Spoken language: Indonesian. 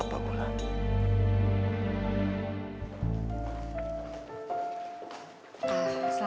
maafkan papa wulan